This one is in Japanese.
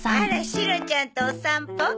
シロちゃんとお散歩？